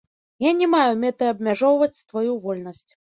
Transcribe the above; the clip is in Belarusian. Я не маю мэты абмяжоўваць тваю вольнасць.